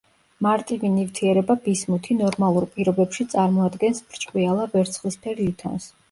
მარტივი ნივთიერება ბისმუთი ნორმალურ პირობებში წარმოადგენს ბრჭყვიალა ვერცხლისფერ ლითონს.